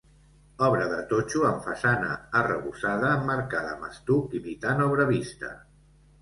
Obra de totxo amb façana arrebossada, emmarcada amb estuc imitant obra vista.